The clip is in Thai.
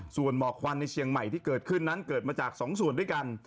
ส่วนหมอกควันในเชียงใหม่ที่เกิดขึ้นนั้นเกิดมาจาก๒ส่วนด้วยกัน